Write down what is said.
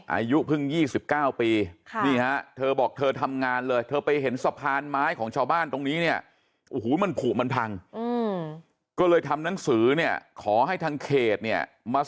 อายุเพิ่ง๒๙ปีค่ะเจ้อบอกเธอทำงานเลยเอเลไปเห็นสะพานไม้เคยชาวบ้านตรงนี้เนี่ย